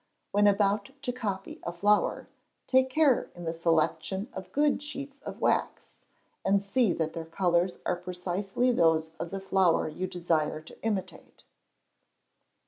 When about to copy a flower, take care in the selection of good sheets of wax, and see that their colours are precisely those of the flower you desire to imitate.